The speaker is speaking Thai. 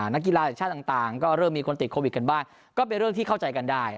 นักกีฬาจากชาติต่างก็เริ่มมีคนติดโควิดกันบ้างก็เป็นเรื่องที่เข้าใจกันได้